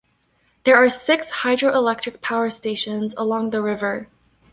There are six hydro-electric power stations along the river.